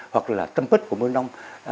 hoặc là tâm bức của môn nông